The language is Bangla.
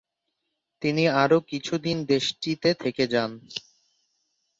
তিনি আরও কিছুদিন দেশটিতে থেকে যান।